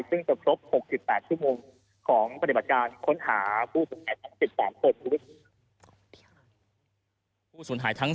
ซึ่งจะครบ๖๘ชั่วโมงของปฏิบัติการค้นหาผู้สูญหายทั้ง๑๓คน